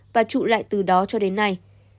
và trụ lại từ đó cho đến nay